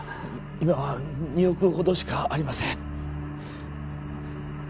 今は２億ほどしかありません